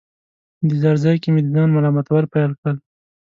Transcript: انتظار ځای کې مې د ځان ملامتول پیل کړل.